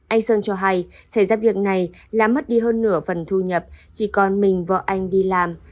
anh sơn cho hay xảy ra việc này là mất đi hơn nửa phần thu nhập chỉ còn mình vợ anh đi làm